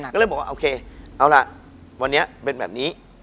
ก็เลยบอกว่าโอเคเอาล่ะวันนี้เป็นแบบนี้